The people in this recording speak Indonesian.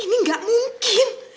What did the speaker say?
ini gak mungkin